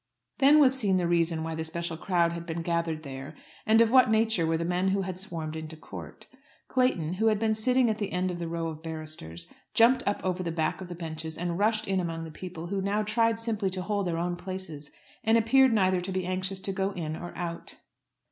Then was seen the reason why the special crowd had been gathered there, and of what nature were the men who had swarmed into court. Clayton, who had been sitting at the end of the row of barristers, jumped up over the back of the bench and rushed in among the people, who now tried simply to hold their own places, and appeared neither to be anxious to go in or out.